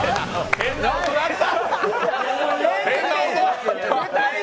変な音、鳴った。